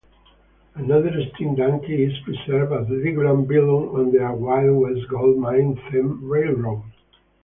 Another steam donkey is preserved at Legoland Billund on their Wild West gold-mine-themed railroad.